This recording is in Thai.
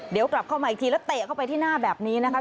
เดี๋ยวกลับเข้ามาอีกทีแล้วเตะเข้าไปที่หน้าแบบนี้นะคะ